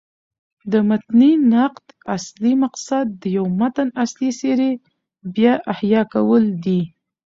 د متني نقد اصلي مقصد د یوه متن اصلي څېرې بيا احیا کول دي.